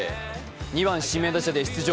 ２番・指名打者で出場。